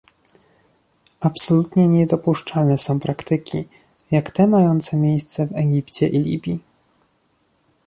Absolutnie niedopuszczalne są praktyki, jak te mające miejsce w Egipcie i Libii